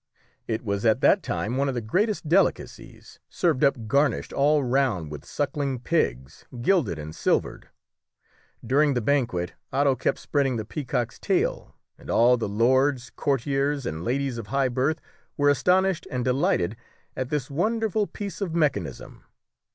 It was at that time one of the greatest delicacies, served up garnished all round with sucking pigs, gilded and silvered. During the banquet Otto kept spreading the peacock's tail, and all the lords, courtiers, and ladies of high birth were astonished and delighted at this wonderful piece of mechanism.